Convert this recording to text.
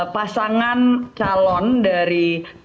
pasangan calon dari